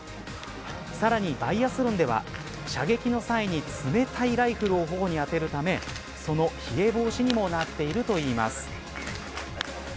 さらにバイアスロンでは射撃の際に冷たいライフルを頬に当てるためその冷え防止にもなっているといいます。